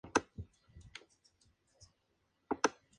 Ese mismo año, se separa de Celeste Cid.